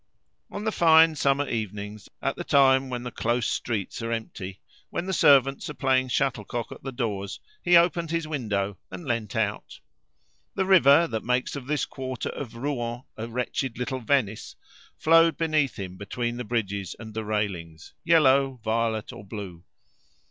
On the fine summer evenings, at the time when the close streets are empty, when the servants are playing shuttle cock at the doors, he opened his window and leaned out. The river, that makes of this quarter of Rouen a wretched little Venice, flowed beneath him, between the bridges and the railings, yellow, violet, or blue.